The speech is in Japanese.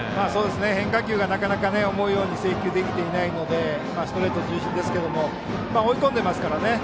変化球がなかなか思うように制球できていないのでストレート中心ですが追い込んでいますから。